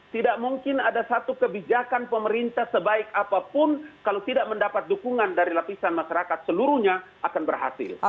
tidak mungkin ada satu kebijakan pemerintah sebaik apapun kalau tidak mendapat dukungan dari lapisan masyarakat seluruhnya akan berhasil